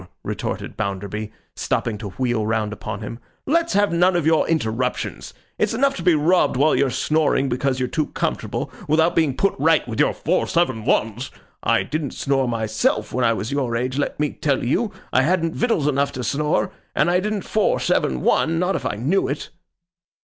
retorted Bounderby, stopping to wheel round upon him, 'let's have none of your interruptions. It's enough to be robbed while you're snoring because you're too comfortable, without being put right with your four seven ones. I didn't snore, myself, when I was your age, let me tell you. I hadn't victuals enough to snore. And I didn't four seven one. Not if I knew it.